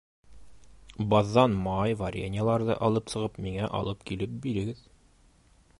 Баҙҙан май, вареньеларҙы алып сығып, миңә алып килеп бирегеҙ.